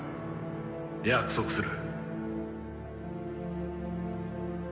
約束する。